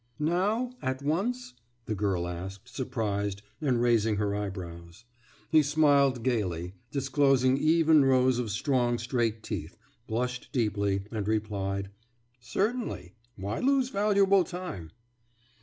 « »Now at once?« the girl asked, surprised, and raised her eyebrows. He smiled gaily, disclosing even rows of strong straight teeth, blushed deeply, and replied: »Certainly. Why lose valuable time?